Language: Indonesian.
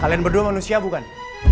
kalian berdua manusia bukan